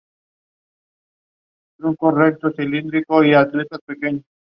A su regreso los relatos del viaje sepultaron el mito de Terra Australis.